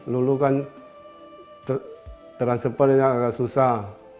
luluh kan transmopernya agak susah